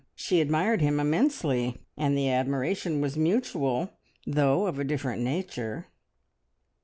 She admired him immensely; and the admiration was mutual, though of a different nature.